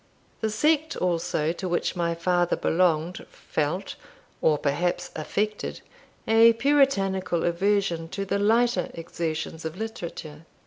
The sect also to which my father belonged, felt, or perhaps affected, a puritanical aversion to the lighter exertions of literature.